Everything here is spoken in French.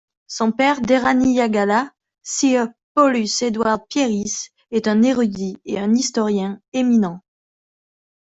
Son père, Deraniyagala Sir Paulus Edward Pieris, est un érudit et un historien éminent.